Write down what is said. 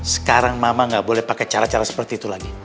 sekarang mama gak boleh pakai cara cara seperti itu lagi